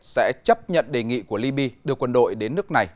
sẽ chấp nhận đề nghị của libya đưa quân đội đến nước này